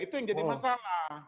itu yang jadi masalah